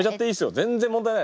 全然問題ない。